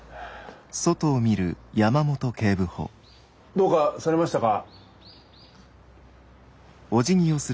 どうかされましたか？